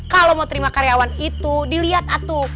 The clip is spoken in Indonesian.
kalau mau terima karyawan itu dilihat atu